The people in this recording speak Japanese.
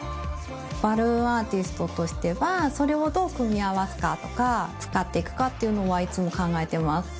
バルーンアーティストとしてはそれをどう組み合わすかとか使っていくかっていうのはいつも考えてます。